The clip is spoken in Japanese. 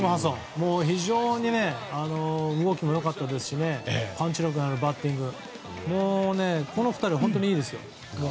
非常に動きも良かったですしパンチ力のあるバッティングでもう、この２人は本当にいいですよ。